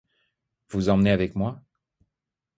Vous emmener avec moi ?…